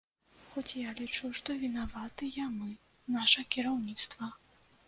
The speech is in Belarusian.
Хоць я лічу, што вінаватыя мы, наша кіраўніцтва.